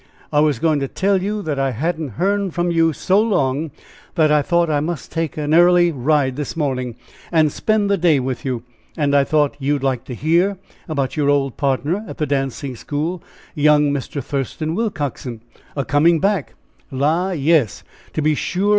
I was going to tell you that I hadn't hearn from you so long, that I thought I must take an early ride this morning, and spend the day with you. And I thought you'd like to hear about your old partner at the dancing school, young Mr. Thurston Willcoxen, a coming back la, yes! to be sure!